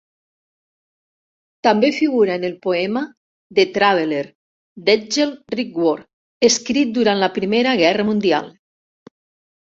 També figura en el poema "The Traveller" d'Edgell Rickword, escrit durant la Primera Guerra Mundial.